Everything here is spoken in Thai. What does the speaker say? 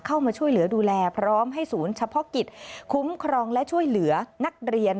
เข้ามาช่วยเหลือดูแลพร้อมให้ศูนย์เฉพาะกิจคุ้มครองและช่วยเหลือนักเรียน